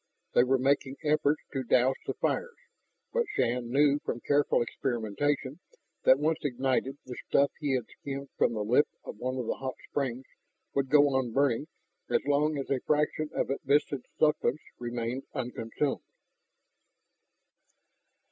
They were making efforts to douse the fires, but Shann knew from careful experimentation that once ignited the stuff he had skimmed from the lip of one of the hot springs would go on burning as long as a fraction of its viscid substance remained unconsumed.